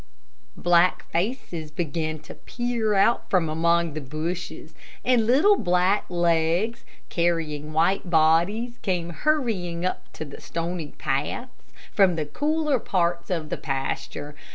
black faces began to peer out from among the bushes; and little black legs, carrying white bodies, came hurrying up the stony paths from the cooler parts of the pasture.